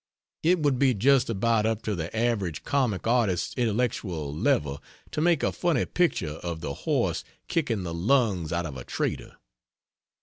It would be just about up to the average comic artist's intellectual level to make a funny picture of the horse kicking the lungs out of a trader.